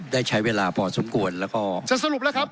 ขอประท้วงครับขอประท้วงครับขอประท้วงครับขอประท้วงครับ